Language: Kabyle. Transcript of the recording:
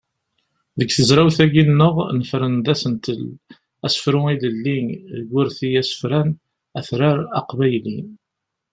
Deg tezrawt-agi-nneɣ nefren-d asentel: asefru ilelli deg urti asefran atrar aqbayli.